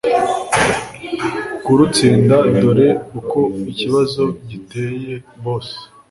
kurutsinda dore uko ikibazo giteye boss